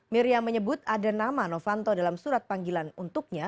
miriam menyebut ada nama novanto dalam surat panggilan untuknya